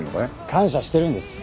感謝してるんです。